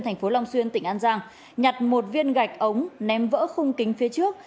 tp long xuyên tỉnh an giang nhặt một viên gạch ống ném vỡ khung kính phía trước